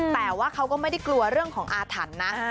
แต่ว่าเขาก็ไม่ได้กลัวเรื่องของอาถรรพ์นะ